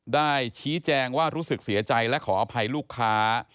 ได้ชี้แจงว่ารู้สึกเสียใจและขออภัยลูกค้า